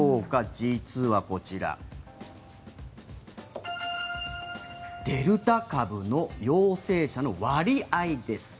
実はこちら、デルタ株の陽性者の割合です。